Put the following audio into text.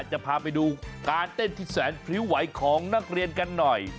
จะพาไปดูการเต้นที่แสนพริ้วไหวของนักเรียนกันหน่อย